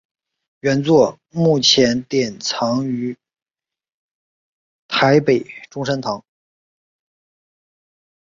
原作目前典藏于台北中山堂。